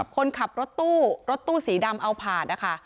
คนขับรถตู้รถตู้สีดำเอาผาดนะคะ